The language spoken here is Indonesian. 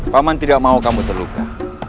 paman tidak mau kamu terluka